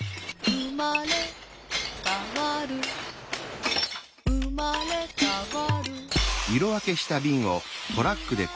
「うまれかわるうまれかわる」